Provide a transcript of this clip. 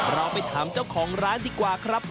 เราไปถามเจ้าของร้านดีกว่าครับ